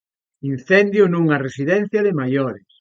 Incendio nunha residencia de maiores.